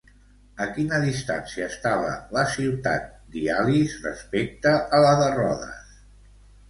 A quina distància estava la ciutat d'Ialis respecte a la de Rodes?